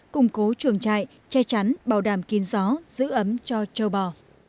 củng cố chuồng trại che chắn bảo đảm kín gió giữ ấm cho châu bò